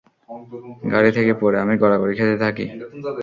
গাড়ি থেকে পড়ে আমি গড়াগড়ি খেতে থাকি।